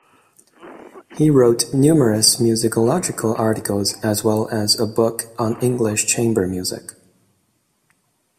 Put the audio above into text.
He wrote numerous musicological articles as well as a book on English chamber music.